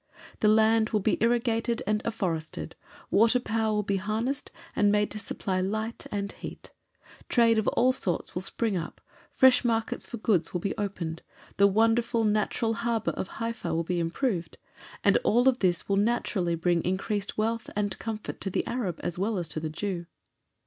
The land will be irrigated and afforested; water power will be "harnessed" and made to supply light and heat. Trade of all sorts will spring up, fresh markets for goods will be opened, the wonderful natural harbour of Haifa will be improved and all of this will naturally bring increased wealth and comfort to the Arab as well as to the Jew.